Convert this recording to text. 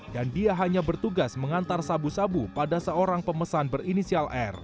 dan dia hanya bertugas mengantar sabu sabu pada seorang pemesan berinisial s